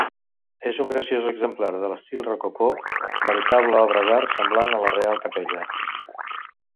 És un graciós exemplar de l'estil rococó, veritable obra d'art semblant a la Real Capella.